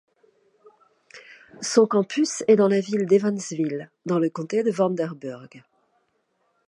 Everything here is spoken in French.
Son campus est dans la ville d’Evansville dans le comté de Vanderburgh.